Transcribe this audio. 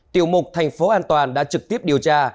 tiểu mục thành phố an toàn đã trực tiếp điều tra